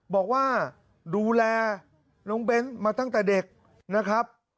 บอกว่าดูแลน้องเบ้นมาตั้งแต่เด็กนะครับ